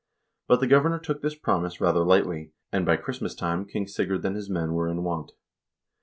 But the governor took this promise rather lightly, and by Christmas time King Sigurd and his men were in want.